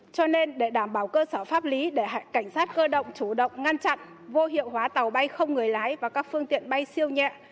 cho nên để đảm bảo cơ sở pháp lý để cảnh sát cơ động chủ động ngăn chặn vô hiệu hóa tàu bay không người lái và các phương tiện bay siêu nhẹ